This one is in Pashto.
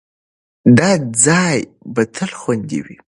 دا ځای به تل خوندي وي.